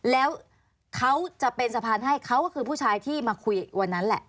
แล้วเขาจะเป็นสะพานให้เขาก็คือผู้ชายที่มาคุยวันนั้นแหละ